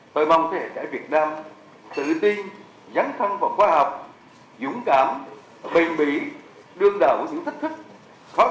tôi mong thế hệ trải việt nam tự tin vắng thân vào khoa học dũng cảm bình bỉ đương đạo những thách